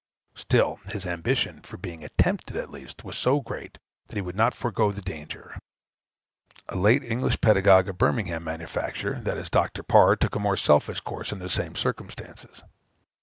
Still his ambition, for being attempted at least, was so great, that he would not forego the danger. A late English pedagogue, of Birmingham manufacture, viz., Dr. Parr, took a more selfish course, under the same circumstances.